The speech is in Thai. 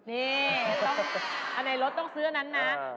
นี่อันในรถต้องซื้ออันนั้นนะ